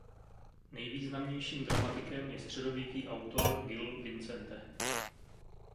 Nejvýznamnějším dramatikem je středověký autor Gil Vicente.